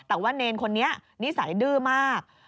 แต่ว่าเนรคนนี้นิสัยดื้อมาก